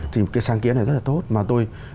thì cái sáng kiến này rất là tốt